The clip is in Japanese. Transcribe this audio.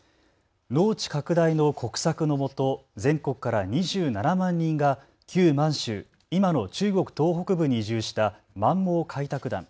農地拡大の国策のもと全国から２７万人が旧満州、今の中国東北部に移住した満蒙開拓団。